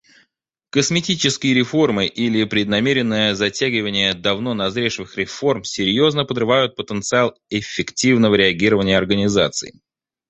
Косметические реформы или преднамеренное затягивание давно назревших реформ серьезно подрывают потенциал эффективного реагирования организаций.